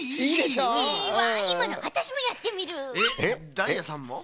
ダイヤさんも？え？